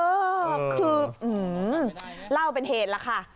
เออคือเล่าเป็นเหตุแล้วค่ะ